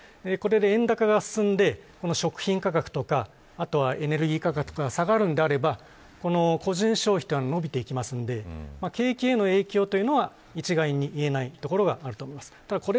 円高が進んで食品価格やエネルギー価格が下がるならば個人消費は伸びていきますので景気への影響は一概に言えないところがあると思います。